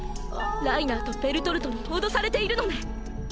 ライナーとベルトルトに脅されているのね？